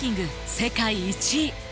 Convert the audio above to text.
世界１位。